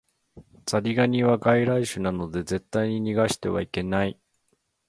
ザリガニは外来種なので絶対に逃してはいけない